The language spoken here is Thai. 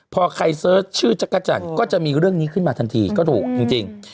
พอใครเสิร์ชชื่อจักรจันทร์ก็จะมีเรื่องนี้ขึ้นมาทันทีก็ถูกจริง